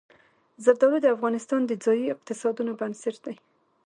زردالو د افغانستان د ځایي اقتصادونو بنسټ دی.